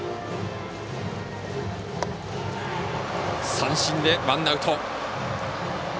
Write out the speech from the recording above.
三振でワンアウト。